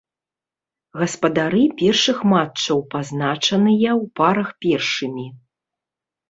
Гаспадары першых матчаў пазначаныя ў парах першымі.